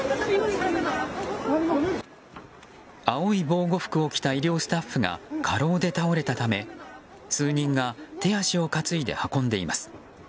青い防護服を着た医療スタッフが過労で倒れたため数人が手足を担いで運んでいます。